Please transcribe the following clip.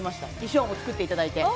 衣装も作っていただいて。